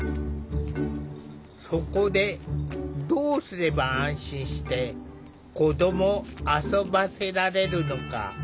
そこでどうすれば安心して子どもを遊ばせられるのか。